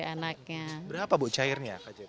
anaknya berapa bu cairnya